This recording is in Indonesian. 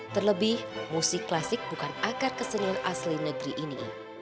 terlebih musik klasik bukan akar kesenian asli negeri ini